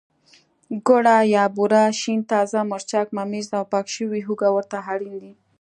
ګوړه یا بوره، شین تازه مرچک، ممیز او پاکه شوې هوګه ورته اړین دي.